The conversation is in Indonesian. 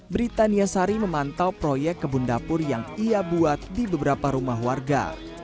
britania sari memantau proyek kebun dapur yang ia buat di beberapa rumah warga